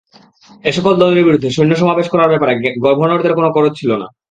এসকল দলের বিরুদ্ধে সৈন্য সমাবেশ করার ব্যাপারে গভর্নরদের কোন গরজ ছিল না।